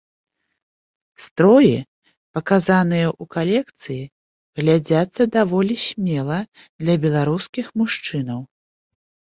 Строі, паказаныя ў калекцыі глядзяцца даволі смела для беларускіх мужчынаў.